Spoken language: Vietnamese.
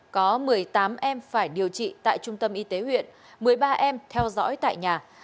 có một mươi tám em phải điều trị tại trung tâm y tế huyện một mươi ba em theo dõi tại nhà